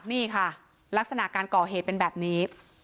นี่ค่ะลักษณะการก่อเหตุเป็นแบบนี้